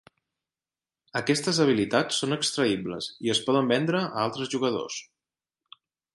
Aquestes habilitats són extraïbles i es poden vendre a altres jugadors.